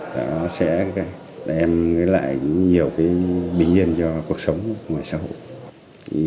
nó sẽ đem lại nhiều cái bình yên cho cuộc sống ngoài xã hội